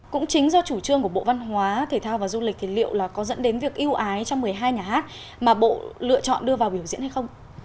cũng chính do chủ trương của bộ văn hóa thể thao và du lịch thì liệu là có dẫn đến việc yêu ái cho một mươi hai nhà hát mà bộ lựa chọn đưa vào biểu diễn hay không